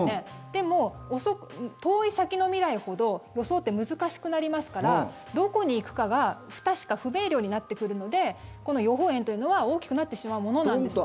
でも、遠い先の未来ほど予想って難しくなりますからどこに行くかが不確か、不明瞭になってくるのでこの予報円というのは大きくなってしまうものなんです。